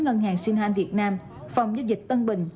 ngân hàng sinhan việt nam phòng giúp dịch tân bình